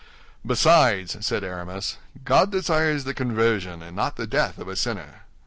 "Besides," said Aramis, "God desires the conversion and not the death of a sinner."